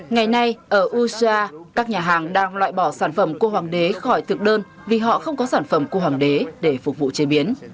ngày nay ở usa các nhà hàng đang loại bỏ sản phẩm cua hoàng đế khỏi thực đơn vì họ không có sản phẩm cua hoàng đế để phục vụ chế biến